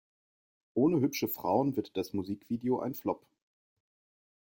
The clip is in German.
Ohne hübsche Frauen wird das Musikvideo ein Flop.